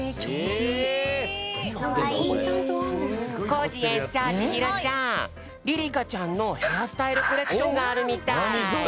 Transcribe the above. コージ園長千尋ちゃんりりかちゃんのヘアスタイルコレクションがあるみたい。